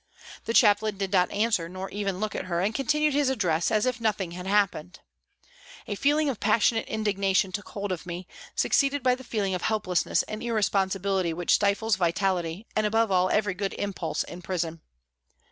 The Chaplain did not answer nor even look at her, and continued his address as if nothing had happened. A feeling of passionate indignation took hold of me, succeeded by the feeling of helplessness and irresponsibility which stifles vitality and above all every good impulse in prison.